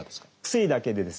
薬だけでですね